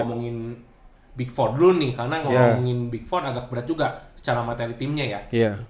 ngomongin big empat dulu nih karena ngomongin big empat agak berat juga secara materi timnya ya